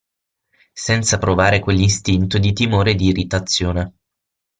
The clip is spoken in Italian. Senza provare quell'istinto di timore e di irritazione.